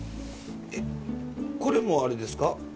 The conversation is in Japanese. えっこれもあれですか？